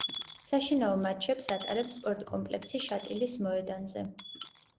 საშინაო მატჩებს ატარებს სპორტ–კომპლექსი შატილის მოედანზე.